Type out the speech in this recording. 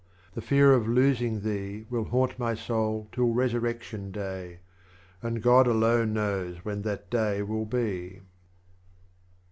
The Fear of losing thee Will haunt my Soul till Resurrection Day, And God alone knows when that Day will be 45.